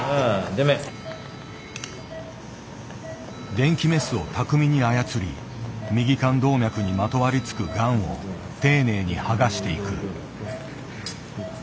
電気メスを巧みに操り右肝動脈にまとわりつくがんを丁寧に剥がしていく。